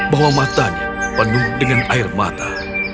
bahwa matanya penuh dengan air mata